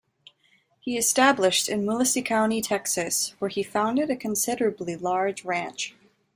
He established in Willacy County, Texas, where he founded a considerably large ranch.